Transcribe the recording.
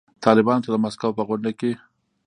طالبانو ته د مسکو په غونډه کې